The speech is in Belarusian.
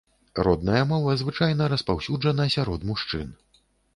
Родная мова звычайна распаўсюджана сярод мужчын.